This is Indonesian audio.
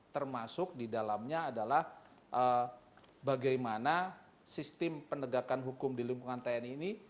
termasuk di dalamnya adalah bagaimana sistem penegakan hukum di lingkungan tni ini